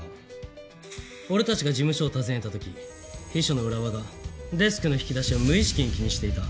俺たちが事務所を訪ねた時秘書の浦和がデスクの引き出しを無意識に気にしていた。